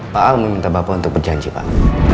pak almi minta bapak untuk berjanji pak